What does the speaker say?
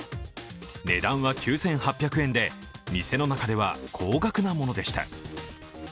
値段は９８００円で、店の中では高額なものでした。